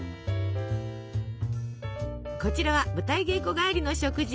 こちらは舞台稽古帰りの食事。